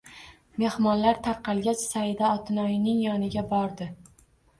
Mehmonlar tarqalgach Saida otinoyining yoniga bordi